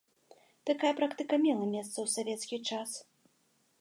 Такая практыка мела месца ў савецкі час.